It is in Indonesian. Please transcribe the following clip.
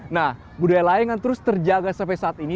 nah budaya layangan terus terjaga sampai saat ini